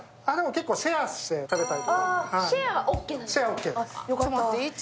結構、シェアして食べたりとか。